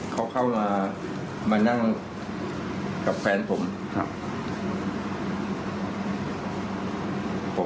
เขาเข้ามามานั่งกับแฟนผมครับ